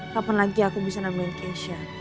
kapan lagi aku bisa nemenin keisha